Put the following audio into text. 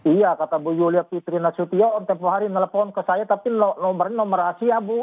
iya kata bu yulia fitri nasution tempoh hari nelpon ke saya tapi nomornya nomor asia bu